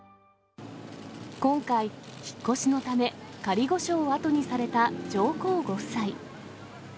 今回、引っ越しのため、仮御所を後にされた上皇ご夫妻。